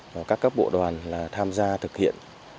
và các cấp bộ đoàn là tham gia thực hiện